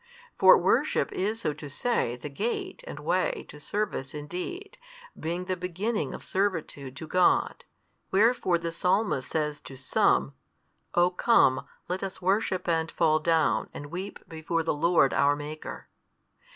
For worship is so to say the gate and way to service in deed, being the beginning of servitude to God. Wherefore the Psalmist says to some, O come, let us worship and fall down, and weep before the Lord our Maker.